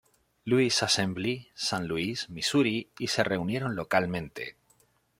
Louis Assembly, San Luis, Misuri, y se reunieron localmente.